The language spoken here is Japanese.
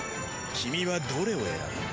君はどれを選ぶ？